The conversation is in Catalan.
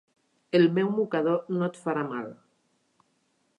El meu mocador no et farà mal.